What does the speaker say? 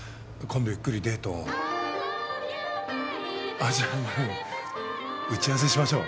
あっじゃない打ち合わせしましょう。